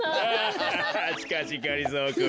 しかしがりぞーくん